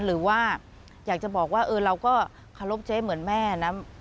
หรือว่าอยากจะบอกว่าเราก็เคารพเจ๊เหมือนแม่นะ